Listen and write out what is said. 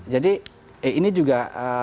jadi ini juga